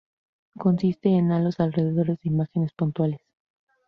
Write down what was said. Consiste en halos alrededor de imágenes puntuales.